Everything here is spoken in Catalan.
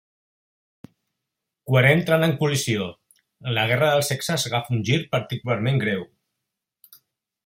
Quan entren en col·lisió, la guerra dels sexes agafa un gir particularment greu.